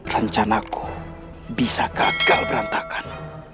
rencanaku bisa gagal berantakan